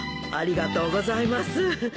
ありがとうございます。